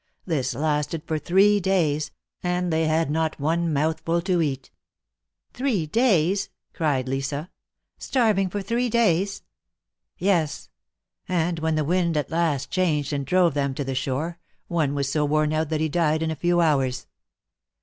This lasted for three days, and they had not one mouthful to eat I Three days !" cried Lisa. Starving for three days !" "Yes, and when the wind at last changed and drove, them to the shore, one was so worn out that he died in a few hours.